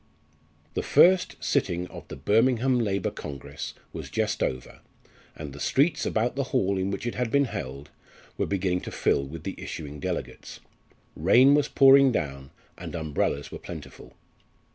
The first sitting of the Birmingham Labour Congress was just over, and the streets about the hall in which it had been held were beginning to fill with the issuing delegates. Rain was pouring down and umbrellas were plentiful.